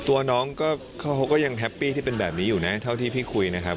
ตัวน้องก็เขาก็ยังแฮปปี้ที่เป็นแบบนี้อยู่นะเท่าที่พี่คุยนะครับ